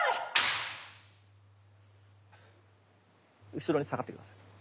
後ろに下がって下さい。